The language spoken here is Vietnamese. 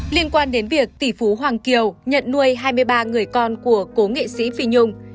liên quan đến việc tỷ phú hoàng kiều nhận nuôi hai mươi ba người con của cố nghệ sĩ phi nhung